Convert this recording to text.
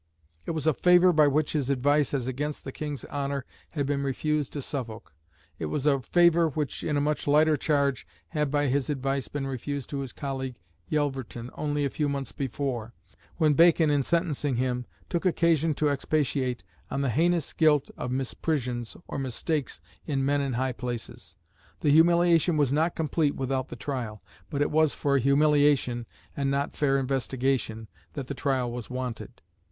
It was a favour which by his advice, as against the King's honour, had been refused to Suffolk; it was a favour which, in a much lighter charge, had by his advice been refused to his colleague Yelverton only a few months before, when Bacon, in sentencing him, took occasion to expatiate on the heinous guilt of misprisions or mistakes in men in high places. The humiliation was not complete without the trial, but it was for humiliation and not fair investigation that the trial was wanted.